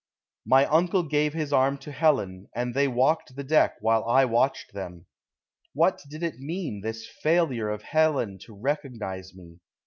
My uncle gave his arm to Helen, and they walked the deck while I watched them. What did it mean, this failure of Helen to recognize me?